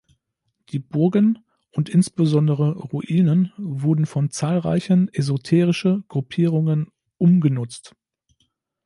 Die Burgen und insbesondere Ruinen wurden von zahlreichen esoterische Gruppierungen „umgenutzt“.